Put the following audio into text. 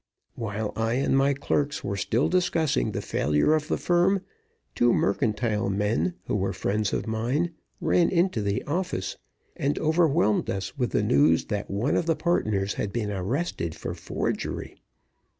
While I and my clerks were still discussing the failure of the firm, two mercantile men, who were friends of mine, ran into the office, and overwhelmed us with the news that one of the partners had been arrested for forgery.